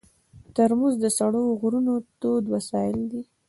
ترموز د سړو غرونو تود وسایل دي.